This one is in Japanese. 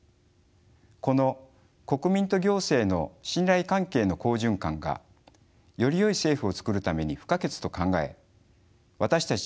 この国民と行政の信頼関係の好循環がよりよい政府を作るために不可欠と考え私たち